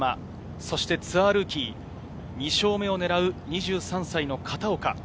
そしてツアールーキー、２勝目を狙う２３歳の片岡。